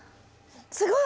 すごい！